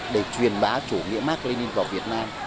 để truyền bá chủ nghĩa mark lenin vào việt nam